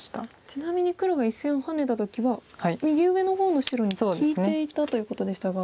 ちなみに黒が１線をハネた時は右上の方の白に利いていたということでしたが。